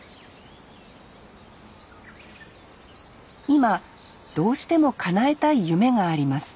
今どうしてもかなえたい夢があります